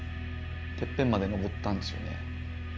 てっぺんまで登ったんですよね。